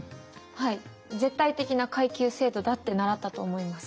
はい絶対的な階級制度だって習ったと思います。